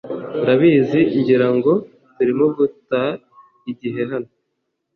Urabizi, ngira ngo turimo guta igihe hano